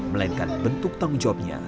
melainkan bentuk tanggung jawabnya